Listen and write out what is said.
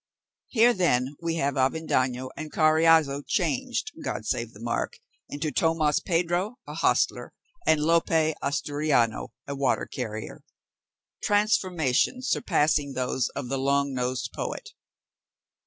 Here then, we have Avendaño and Carriazo changed, God save the mark! into Tomas Pedro, a hostler, and Lope Asturiano, a water carrier: transformations surpassing those of the long nosed poet.